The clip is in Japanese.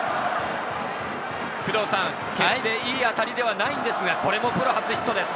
決していい当たりではないんですが、これもプロ初ヒットです。